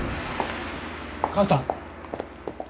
母さん！